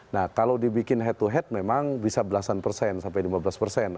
nah kalau dibikin head to head memang bisa belasan persen sampai lima belas persen